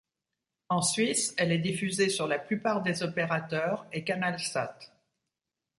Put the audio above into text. En Suisse, elle est diffusée sur la plupart des opérateurs et CanalSat.